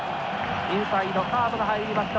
インサイドカーブが入りました。